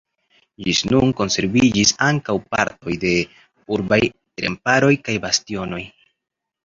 Ĝis nun konserviĝis ankaŭ partoj de urbaj remparoj kaj bastionoj.